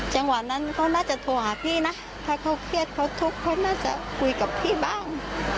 จังหวะนั้นเขาน่าจะโทรหาพี่นะถ้าเขาเครียดเขาทุกข์เขาน่าจะคุยกับพี่บ้าง